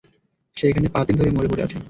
সে এখানে পাঁচদিন ধরে মরে পড়ে আছে!